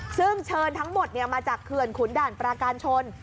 ซึ่งเชิญทั้งหมดมาจากเขื่อนขุนด่านปราการชน